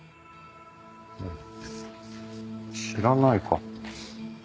知らないか。